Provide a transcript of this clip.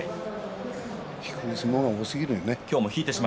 引く相撲が多すぎるね。